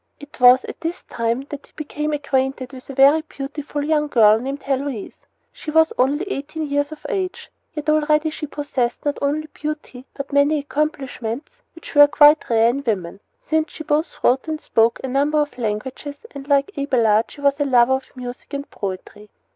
It was at this time that he became acquainted with a very beautiful young girl named Heloise. She was only eighteen years of age, yet already she possessed not only beauty, but many accomplishments which were then quite rare in women, since she both wrote and spoke a number of languages, and, like Abelard, was a lover of music and poetry.